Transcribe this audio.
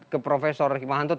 ke profesor himahanto tadi